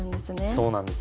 そうなんです。